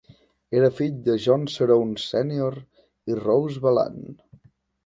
Era fill de John Cerone Senior i Rose Valant.